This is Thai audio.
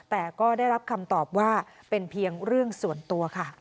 แต่ก็ได้รับคำตอบว่าเป็นเพียงเรื่องส่วนตัวค่ะ